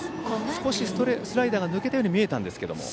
少しスライダーが抜けたように見えたんですけれども。